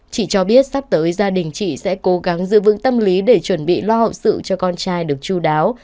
chị cho biết sắp tới gia đình chị sẽ cố gắng giữ vững tâm lý để chuẩn bị lo hậu sự cho con trai được chú đáo